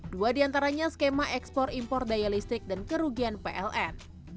dua diantaranya skema ekspor impor daya listrik dan kerugian pln